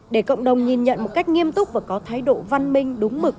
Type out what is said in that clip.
để cộng đồng nhìn nhận một cách nghiêm túc và có thái độ văn minh đúng mực